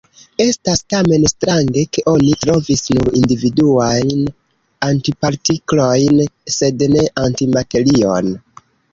Estas tamen strange, ke oni trovis nur individuajn antipartiklojn, sed ne antimaterion.